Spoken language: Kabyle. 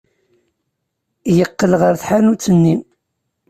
Yeqqel ɣer tḥanut-nni.